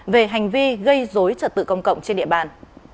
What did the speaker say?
về hành vi gây dối trật tự công cộng trên địa bàn